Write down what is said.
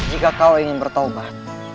jika kau ingin bertawabat